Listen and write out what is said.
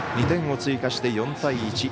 ２点を追加して４対１。